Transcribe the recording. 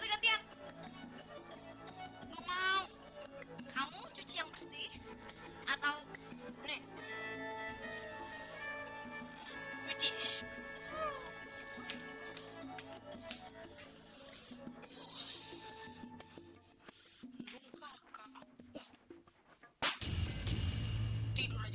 aku minta kamu dengerin penjelasan aku dulu fat